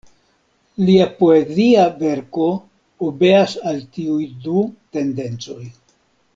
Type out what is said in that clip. Lia poezia verko obeas al tiuj du tendencoj.